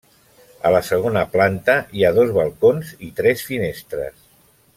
A la segona planta hi ha dos balcons i tres finestres.